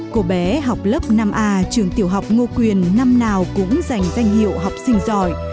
cô bé học lớp năm a trường tiểu học ngô quyền năm nào cũng giành danh hiệu học sinh giỏi